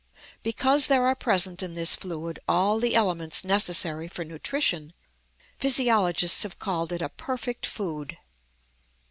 Because there are present in this fluid all the elements necessary for nutrition, physiologists have called it a perfect food.